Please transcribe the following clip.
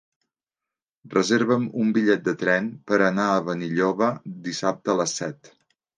Reserva'm un bitllet de tren per anar a Benilloba dissabte a les set.